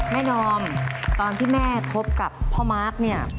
แม่นอมตอนที่แม่คบกับพ่อมาร์ค